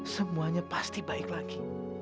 semuanya pasti baik lagi